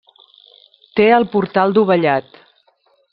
Té el portal dovellat.